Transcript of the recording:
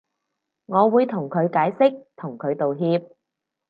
我會同佢解釋同佢道歉